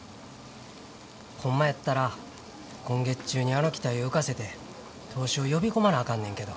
ホンマやったら今月中にあの機体を浮かせて投資を呼び込まなあかんねんけど。